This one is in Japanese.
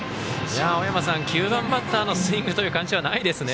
青山さん、９番バッターのスイングという感じではないですね。